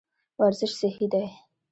ورزش صحي دی.